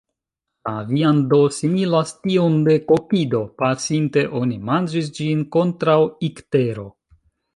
La viando similas tiun de kokido; pasinte oni manĝis ĝin kontraŭ iktero.